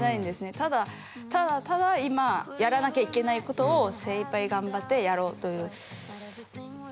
ただただただ今やらなきゃいけないことを精いっぱい頑張ってやろうというま